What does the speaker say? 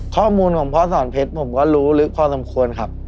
ข้อมูลของพ่อสอนเพชรผมก็รู้ลึกพอสมควรครับ